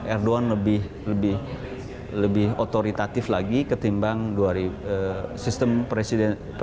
erdogan lebih otoritatif lagi ketimbang sistem parlementer dengan sistem presidensial